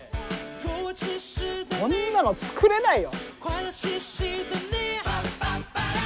こんなの作れないよ。